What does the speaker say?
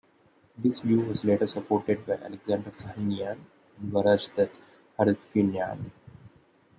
This view was later supported by Alexander Sahinian and Varazdat Harutyunyan.